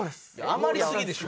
余りすぎでしょ。